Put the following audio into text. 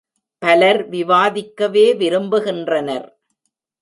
பலர் விவாதிக்கவே விரும்புகின்றனர்.